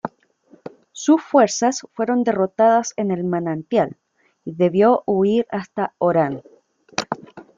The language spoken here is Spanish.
Sus fuerzas fueron derrotadas en El Manantial y debió huir hasta Orán.